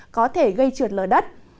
có thể gây trượt lở đất